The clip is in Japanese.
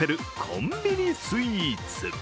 コンビニスイーツ。